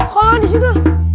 kalau di situ